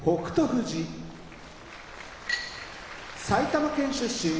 富士埼玉県出身